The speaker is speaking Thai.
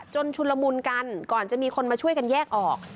ชุนละมุนกันก่อนจะมีคนมาช่วยกันแยกออก